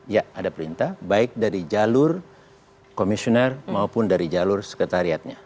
ya ada perintah baik dari jalur komisioner maupun dari jalur sekretariatnya